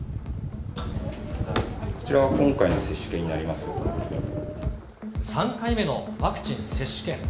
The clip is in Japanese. こちらが今回の接種券になり３回目のワクチン接種券。